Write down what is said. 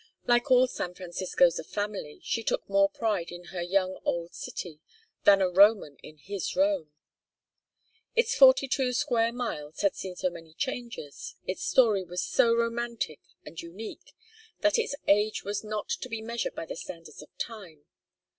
Like all San Franciscans of family, she took more pride in her young old city than a Roman in his Rome. Its forty two square miles had seen so many changes, its story was so romantic and unique, that its age was not to be measured by the standards of Time.